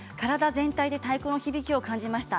体全体で太鼓の響きを感じました。